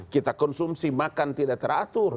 kita konsumsi makan tidak teratur